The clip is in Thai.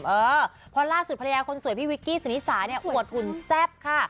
เออเพราะล่าสุดภรรยาคนสวยพี่วิกกี้สุนิสาเนี่ยอวดหุ่นแซ่บค่ะ